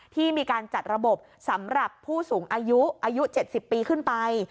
ที่มีการจัดระบบสำหรับผู้สูงอายุอายุ๗๐ปีขึ้นไป